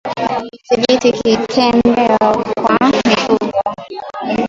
Dhibiti kutembea kwa mifugo